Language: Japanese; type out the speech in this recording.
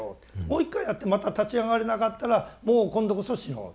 もう一回やってまた立ち上がれなかったらもう今度こそ死のう。